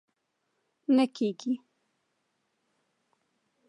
نه کېږي!